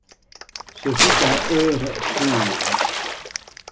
Ce fut un heurt sourd.